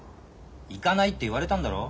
行かないって言われたんだろ？